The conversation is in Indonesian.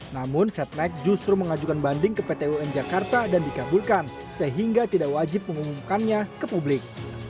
namun setnek justru mengajukan banding ke pt un jakarta dan dikabulkan sehingga tidak wajib mengumumkannya ke publik